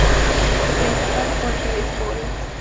Su principal puerto es Volos.